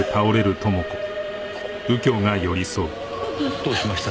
どうしました？